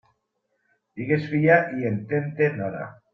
Digues filla i entén-te nora.